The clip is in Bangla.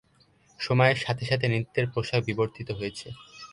সময়ের সাথে সাথে নৃত্যের পোশাক বিবর্তিত হয়েছে।